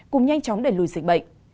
cùng nhanh chóng đẩy lùi dịch bệnh